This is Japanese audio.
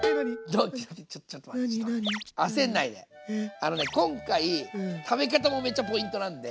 あのね今回食べ方もめっちゃポイントなんで。